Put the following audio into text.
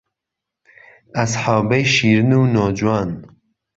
ئهسحابەی شیرن و نۆجوان